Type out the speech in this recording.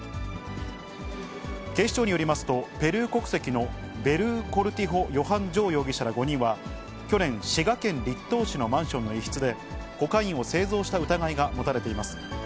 警視庁によりますと、ペルー国籍のベルー・コルティホ・ヨハン・ジョー容疑者ら５人は、去年、滋賀県栗東市のマンションの一室で、コカインを製造した疑いが持たれています。